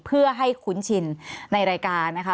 เพื่อให้คุ้นชินในรายการนะคะ